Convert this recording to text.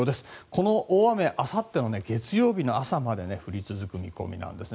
この大雨あさっての月曜日の朝まで降り続く見込みなんですね。